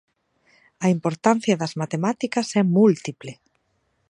A importancia das matemáticas é múltiple.